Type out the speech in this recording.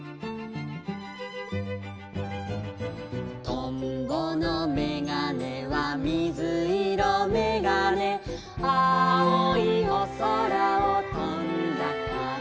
「とんぼのめがねはみずいろめがね」「あおいおそらをとんだから」